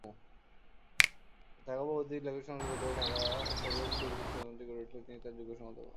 ঢাকা প্রগতি লেখক সংঘের উদ্যোগে ঢাকা জেলা "সোভিয়েত সুহৃদ সমিতি" গড়ে উঠলে তিনি তার যুগ্ম সম্পাদক হন।